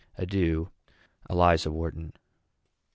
Adieu. ELIZA WHARTON.